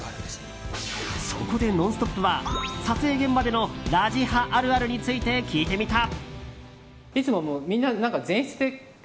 そこで「ノンストップ！」は撮影現場での「ラジハ」あるあるについて聞いてみた。